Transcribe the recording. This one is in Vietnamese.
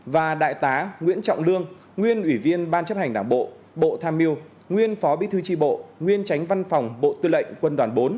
và đại tá nguyễn trọng lương nguyên ủy viên ban chấp hành đảng bộ bộ tham mưu nguyên phó bí thư tri bộ nguyên tránh văn phòng bộ tư lệnh quân đoàn bốn